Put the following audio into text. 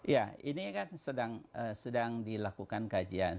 ya ini kan sedang dilakukan kajian